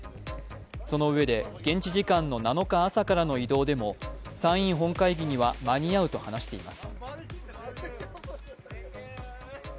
そのうえで現地時間の７日朝からの移動でも参院本会議には間に合うと話しています。